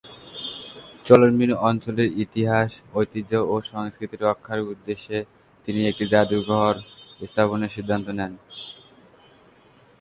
চলনবিল অঞ্চলের ইতিহাস, ঐতিহ্য ও সংস্কৃতি রক্ষার উদ্দেশ্যে তিনি একটি জাদুঘর স্থাপনের সিদ্ধান্ত নেন।